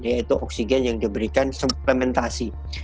yaitu oksigen yang diberikan suplementasi